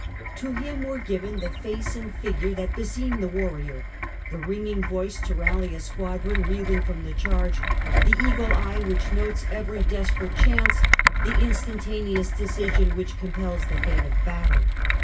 To him were given the face and figure that beseem the warrior, the ringing voice to rally a squadron reeling from the charge, the 'eagle eye* which notes every desperate chance, the instantaneous decision which compels the fate of battle.